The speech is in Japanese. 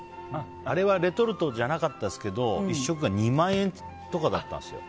あれはレトルトじゃなかったですけど１食が２万円とかだったんですよ。